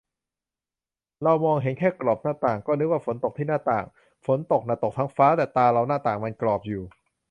เรามองเห็นแค่กรอบหน้าต่าง ก็นึกว่าฝนตกที่หน้าต่าง ฝนตกน่ะตกทั้งฟ้า แต่ตาเราหน้าต่างมันกรอบอยู่